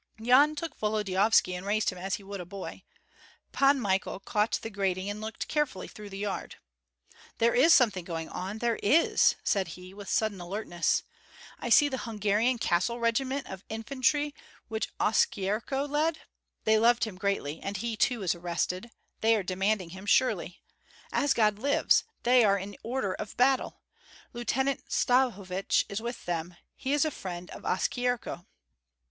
Yan took Volodyovski and raised him as he would a boy. Pan Michael caught the grating, and looked carefully through the yard. "There is something going on, there is!" said he, with sudden alertness. "I see the Hungarian castle regiment of infantry which Oskyerko led they loved him greatly, and he too is arrested; they are demanding him surely. As God lives! they are in order of battle. Lieutenant Stahovich is with them; he is a friend of Oskyerko."